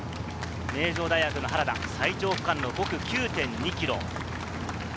名城大学の原田、最長区間の５区、９．２ｋｍ。